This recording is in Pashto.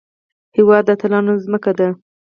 هېواد د اتلانو ځمکه ده